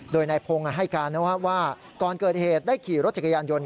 โดยนายพงศ์ให้การว่าก่อนเกิดเหตุได้ขี่รถจักรยานยนต์